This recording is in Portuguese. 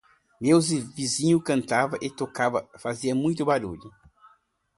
Meus vizinhos cantavam e tocavam, faziam muito barulho.